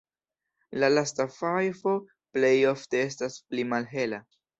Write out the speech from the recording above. La lasta fajfo plej ofte estas pli malhela.